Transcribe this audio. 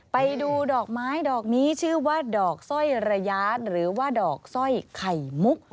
ไปดูดอกไม้ดอกนี้ชื่อว่าดอกสร้อยระยะหรือว่าดอกสร้อยไข่มุก